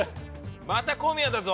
また小宮だぞ。